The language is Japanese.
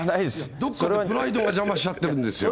どっか、プライドが邪魔しちゃってるんですよ。